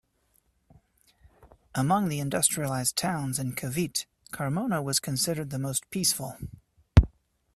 Among the industrialized towns in Cavite, Carmona is considered the most peaceful.